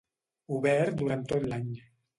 Obert durant tot l'any.